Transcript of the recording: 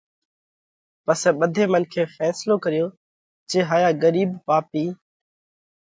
پسئہ ٻڌي منکي ڦينصلو ڪريو جي هايا ڳرِيٻ پاپِي